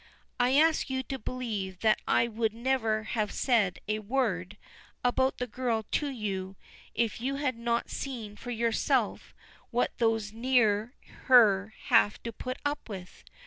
I ask you to believe that I would never have said a word about the girl to you if you had not seen for yourself what those near her have to put up with.